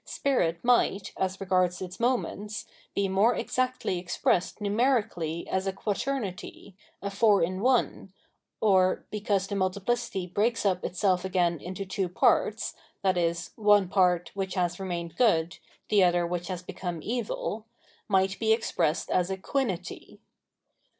Spirit might, as regards its moments, be more exactly expressed numerically as a Quaternity, a four in one, or (because the multiplicity breaks up itself again into two parts, viz. one part which has remained good, the other which has become evil), might be expressed as a Quinity.